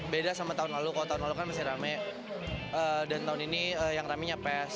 beda sama tahun lalu kalau tahun lalu kan masih rame dan tahun ini yang rame nya pes